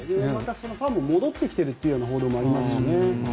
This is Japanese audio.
ファンも戻ってきてるという報道もありますからね。